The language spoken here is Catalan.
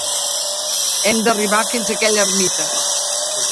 Hem d'arribar fins en aquella ermita.